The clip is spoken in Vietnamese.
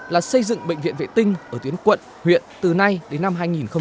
là xây dựng bệnh viện vệ tinh ở tuyến quận huyện từ nay đến năm hai nghìn hai mươi